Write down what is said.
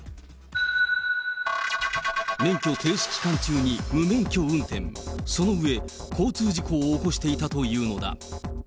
免許停止期間中に無免許運転、その上、交通事故を起こしていたというのだ。